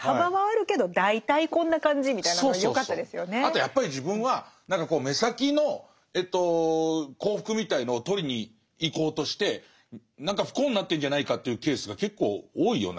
あとやっぱり自分は何か目先の幸福みたいのを取りに行こうとして何か不幸になってんじゃないかというケースが結構多いような気がして。